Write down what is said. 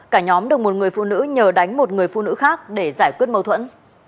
cả nhóm được một người phụ nữ nhờ đánh một người phụ nữ khác để giải quyết mâu thuẫn